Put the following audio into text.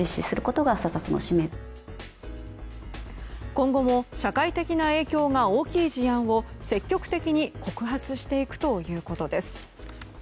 今後も社会的な影響が大きい事案を積極的に告発していくということです。